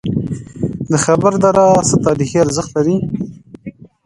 د خیبر دره څه تاریخي ارزښت لري؟